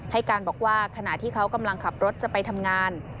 ให้การบอกว่าขณะที่เขากำลังขับรถจะไปทำงาน